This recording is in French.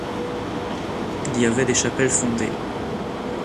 Il y avait des chapelles fondées.